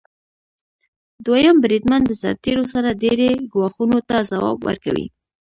دویم بریدمن د سرتیرو سره ډیری ګواښونو ته ځواب ورکوي.